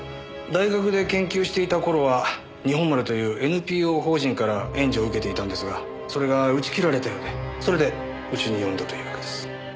大学で研究していた頃は日本丸というＮＰＯ法人から援助を受けていたんですがそれが打ち切られたようでそれでうちに呼んだというわけです。